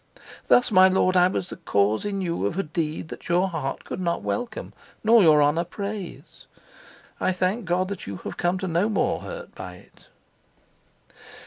Thus, my lord, I was the cause in you of a deed that your heart could not welcome nor your honor praise. I thank God that you have come to no more hurt by it."